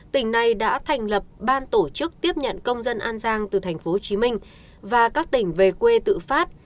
tỉnh này đã thành lập ban tổ chức tiếp nhận công dân an giang từ tp hcm và các tỉnh về quê tự phát